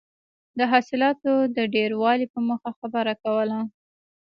د حاصلاتو د ډېروالي په موخه خبره کوله.